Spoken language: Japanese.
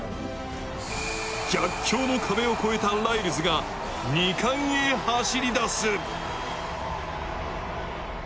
逆境の壁を越えたライルズが２冠へ走り出す。